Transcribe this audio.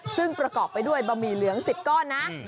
ซึ่งประกอบไปด้วยบะหมี่เหลือง๑๐ก้อนนะ